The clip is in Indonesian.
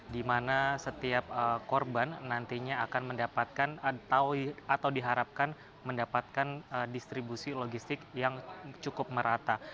di mana setiap korban nantinya akan mendapatkan atau diharapkan mendapatkan distribusi logistik yang cukup merata